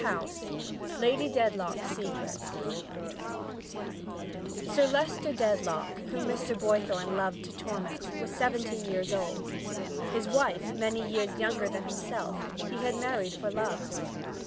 II LADY DEDLOCK'S SECRET Sir Leicester Dedlock, whom Mr. Boythorn so loved to torment, was seventy years old. His wife, many years younger than himself, he had married for love.